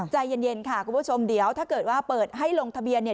ใจเย็นค่ะคุณผู้ชมเดี๋ยวถ้าเกิดว่าเปิดให้ลงทะเบียนเนี่ย